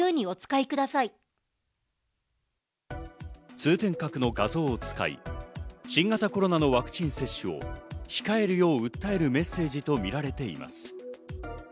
通天閣の画像を使い、新型コロナのワクチン接種を控えるよう訴えるメッセージとみられています。